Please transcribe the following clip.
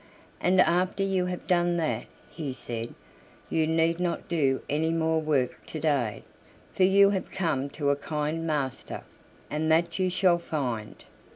"And after you have done that," he said, "you need not do any more work to day, for you have come to a kind master, and that you shall find.